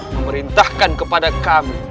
memerintahkan kepada kami